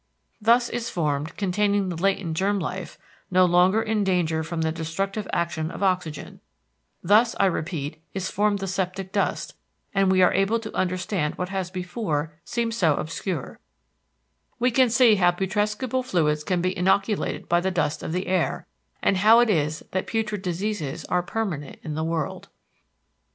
Thus is formed, containing the latent germ life, no longer in danger from the destructive action of oxygen, thus, I repeat, is formed the septic dust, and we are able to understand what has before seemed so obscure; we can see how putrescible fluids can be inoculated by the dust of the air, and how it is that putrid diseases are permanent in the world.